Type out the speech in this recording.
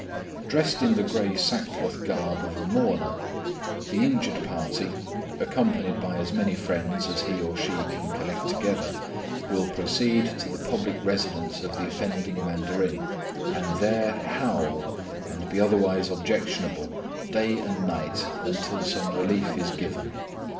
Dressed in the grey sackcloth garb of a mourner, the injured party, accompanied by as many friends as he or she can collect together, will proceed to the public residence of the offending mandarin, and there howl and be otherwise objectionable, day and night, until some relief is given.